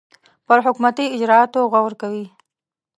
پر حکومتي اجرآتو غور کوي.